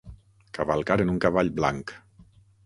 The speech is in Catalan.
Cavalcar en un cavall blanc.